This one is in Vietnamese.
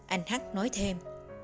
anh h nói thêm